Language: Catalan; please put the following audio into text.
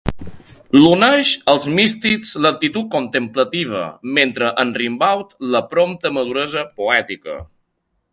L'uneix als místics l'actitud contemplativa, mentre amb Rimbaud la prompta maduresa poètica.